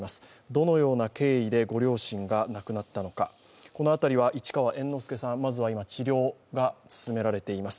どのような経緯でご両親が亡くなったのか、この辺りは市川猿之助さん、まずは今、治療が進められています。